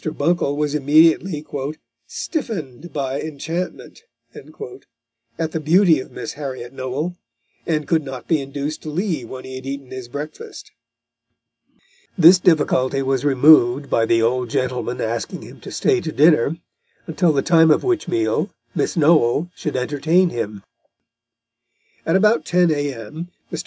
Buncle was immediately "stiffened by enchantment" at the beauty of Miss Harriot Noel, and could not be induced to leave when he had eaten his breakfast. This difficulty was removed by the old gentleman asking him to stay to dinner, until the time of which meal Miss Noel should entertain him. At about 10 A.M. Mr.